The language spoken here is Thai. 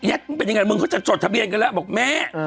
ไอด์แยทจะจะหยุดทะเบียนกันแล้ว